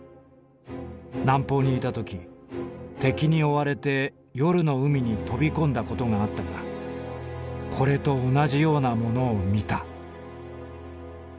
南方にいたとき敵に追われて夜の海に飛びこんだことがあったがこれと同じようなものを見た」。